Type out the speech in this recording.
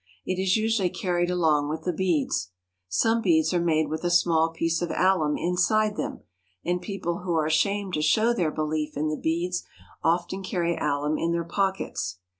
It is usually carried along with the beads. Some beads are made with a small piece of alum inside them, and people who are ashamed to show their belief in the beads often carry alum in their pockets.